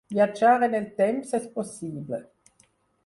Viatjar en el temps és possible!